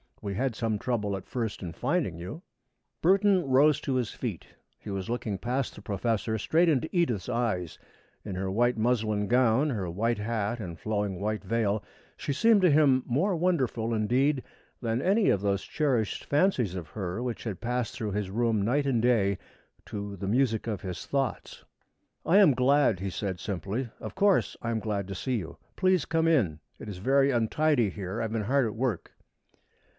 We had some trouble at first in finding you." Burton rose to his feet. He was looking past the professor, straight into Edith's eyes. In her white muslin gown, her white hat and flowing white veil, she seemed to him more wonderful, indeed, than any of those cherished fancies of her which had passed through his room night and day to the music of his thoughts. "I am glad," he said simply. "Of course I am glad to see you! Please come in. It is very untidy here. I have been hard at work."